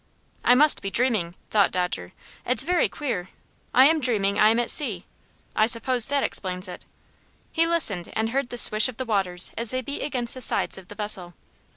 "I must be dreaming," thought Dodger. "It's very queer. I am dreaming I am at sea. I suppose that explains it." He listened and heard the swish of the waters as they beat against the sides of the vessel.